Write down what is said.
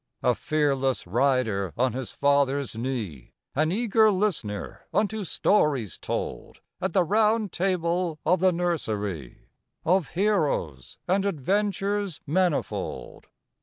A fearless rider on his father's knee, An eager listener unto stories told At the Round Table of the nursery, Of heroes and adventures manifold.